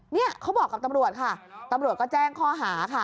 เนี่ยเขาบอกกับตำรวจค่ะตำรวจก็แจ้งข้อหาค่ะ